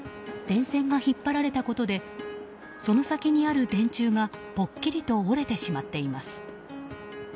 電線が引っ張られたことでその先にある電柱がぽっきりと折れてしまっています。